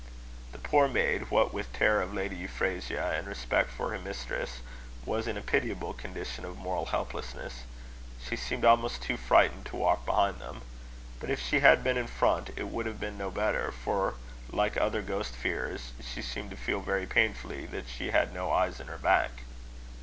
The poor maid, what with terror of Lady Euphrasia, and respect for her mistress, was in a pitiable condition of moral helplessness. She seemed almost too frightened to walk behind them. But if she had been in front it would have been no better; for, like other ghost fearers, she seemed to feel very painfully that she had no eyes in her back.